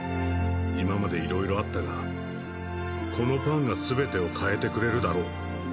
今まで色々あったがこのパンが全てを変えてくれるだろう